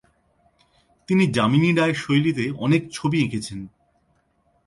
তিনি যামিনী রায়ের শৈলীতে অনেক ছবি এঁকেছেন।